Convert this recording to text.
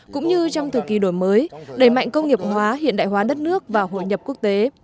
cũng như trong thời kỳ đổi mới đẩy mạnh công nghiệp hóa hiện đại hóa đất nước và hội nhập quốc tế